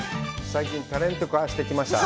最近、タレント化してきました